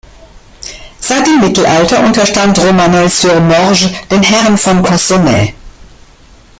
Seit dem Mittelalter unterstand Romanel-sur-Morges den Herren von Cossonay.